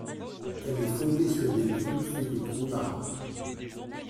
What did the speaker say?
Elle est fondée sur des pieux faits de troncs d'arbres.